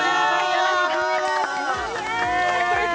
よろしくお願いします